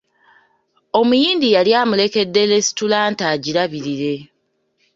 Omuyindi yali amulekedde lesitulanta agirabirire.